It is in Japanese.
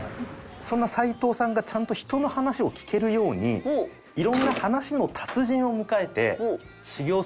そんな齊藤さんがちゃんと人の話を聞けるように色んな話の達人を迎えて修業する企画です。